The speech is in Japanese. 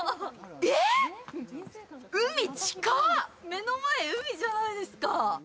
目の前、海じゃないですか！